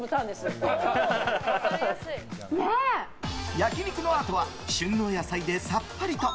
焼き肉のあとは旬の野菜でさっぱりと。